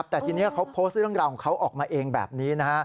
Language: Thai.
แต่ทีนี้เขาโพสต์เรื่องราวของเขาออกมาเองแบบนี้